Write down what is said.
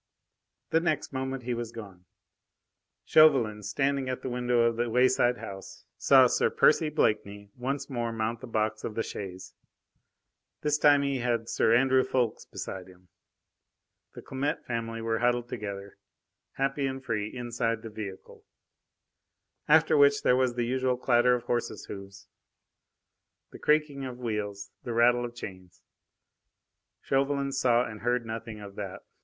The next moment he was gone. Chauvelin, standing at the window of the wayside house, saw Sir Percy Blakeney once more mount the box of the chaise. This time he had Sir Andrew Ffoulkes beside him. The Clamette family were huddled together happy and free inside the vehicle. After which there was the usual clatter of horses' hoofs, the creaking of wheels, the rattle of chains. Chauvelin saw and heard nothing of that.